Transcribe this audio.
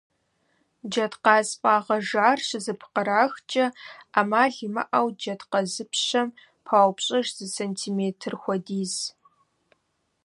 Джэдкъаз фӀагъэжар щызэпкърахкӀэ Ӏэмал имыӀэу джэдкъазыпщэм паупщӀыж зы сантиметр хуэдиз.